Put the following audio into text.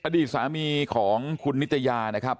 อดีตสามีของคุณนิตยานะครับ